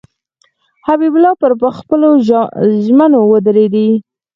حبیب الله پر خپلو ژمنو ودرېدی.